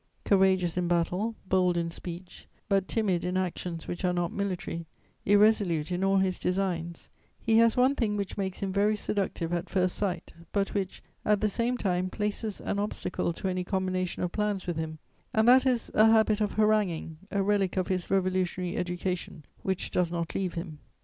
Courageous in battle, bold in speech, but timid in actions which are not military, irresolute in all his designs, he has one thing which makes him very seductive at first sight, but which, at the same time, places an obstacle to any combination of plans with him, and that is a habit of haranguing, a relic of his revolutionary education which does not leave him.